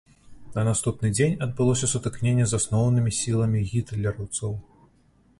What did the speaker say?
На наступны дзень адбылося сутыкненне з асноўнымі сіламі гітлераўцаў.